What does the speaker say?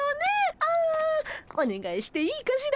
あおねがいしていいかしら？